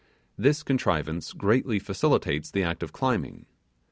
This contrivance greatly facilitates the act of climbing.